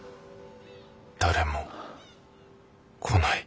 誰も来ない。